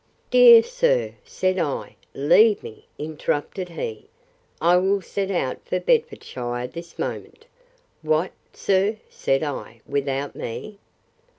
Dear sir! said I—Leave me, interrupted he. I will set out for Bedfordshire this moment! What! sir, said I, without me?